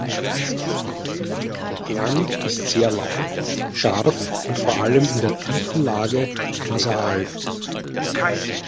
Der Klang ist sehr laut, scharf und vor allem in der tiefen Lage nasal.